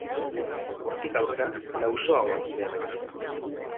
Hortik aurrera, lausoagoak dira emaitzak.